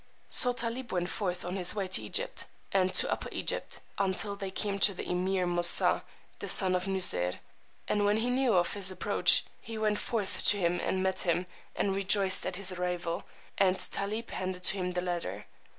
So Tálib went forth on his way to Egypt ... and to Upper Egypt, until they came to the Emeer Moosà, the son of Nuseyr; and when he knew of his approach he went forth to him and met him, and rejoiced at his arrival; and Tálib handed to him the letter.